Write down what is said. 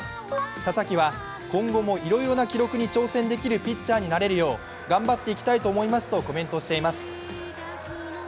佐々木は、今後もいろいろな記録に挑戦できるピッチャーになれるよう頑張っていきたいとコメントしています。